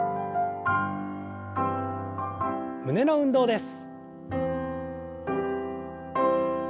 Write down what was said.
胸の運動です。